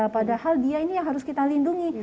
padahal dia ini yang harus kita lindungi